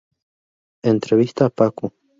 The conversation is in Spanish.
Entrevista a Paco